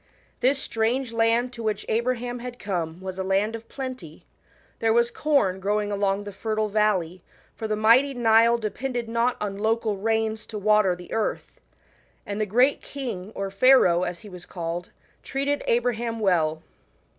This strange land to which Abraham Ijad come was a land of plenty; thers was cprn growing along the fertile Galley, for the mighty Nile de pended not on local 'rains to water the earth. 1 And the greao king, or Pharaoh, as he was called, treated Abraham well.